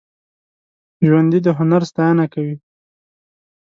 ژوندي د هنر ستاینه کوي